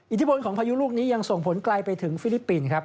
อิทธิพลของพายุลูกนี้ยังส่งผลไกลไปถึงฟิลิปปินส์ครับ